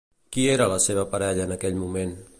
Qui era la seva parella en aquell moment?